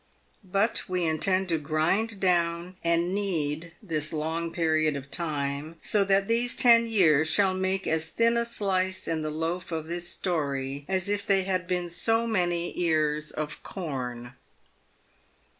But we intend to grind down and knead this long period of time, so that these ten years shall make as thin a slice in the loaf of this story as if they had been so many ears of corn.